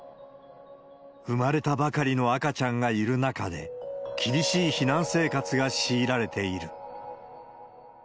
生まれたばかりの赤ちゃんがいる中で、厳しい避難生活が強いられている。